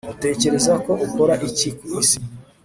Utekereza ko ukora iki ku isi